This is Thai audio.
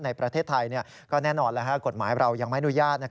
ในประเทศไทยก็แน่นอนกฎหมายเรายังไม่อนุญาต